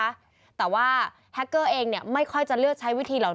ไปได้นะคะต่อว่าแฮกเกอร์เองไม่ค่อยจะเลือกใช้วิธีเหล่า